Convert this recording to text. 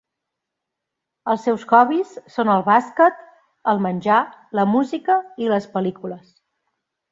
Els seus hobbies són el bàsquet, el menjar, la música i les pel·lícules.